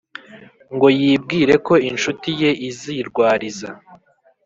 ngo yibwire ko inshuti ye izirwariza